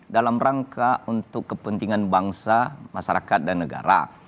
dalam rangka untuk kepentingan bangsa masyarakat dan negara